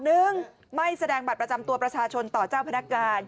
หนึ่งไม่แสดงบัตรประจำตัวประชาชนต่อเจ้าพนักงาน